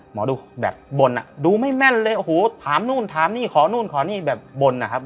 หมอดูแบบบนอ่ะดูไม่แม่นเลยโอ้โหถามนู่นถามนี่ขอนู่นขอนี่แบบบนนะครับ